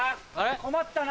困ったな。